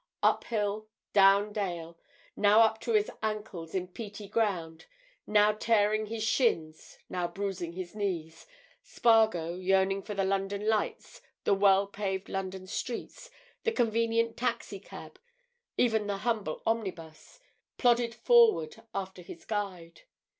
Up hill, down dale, now up to his ankles in peaty ground, now tearing his shins, now bruising his knees, Spargo, yearning for the London lights, the well paved London streets, the convenient taxi cab, even the humble omnibus, plodded forward after his guide.